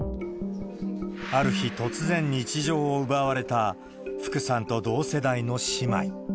ある日、突然日常を奪われた、福さんと同世代の姉妹。